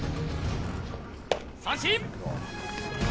三振！